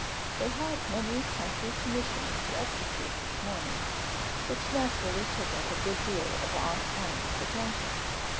They had many country commissions to execute this morning, which naturally took up a good deal of aunt Pennant's attention.